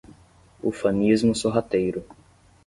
Ufanismo sorrateiro